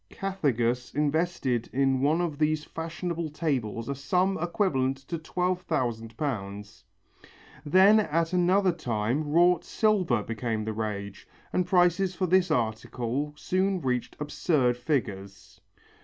Cathegus invested in one of these fashionable tables a sum equivalent to twelve thousand pounds. Then at another time wrought silver becomes the rage, and prices for this article soon reached absurd figures.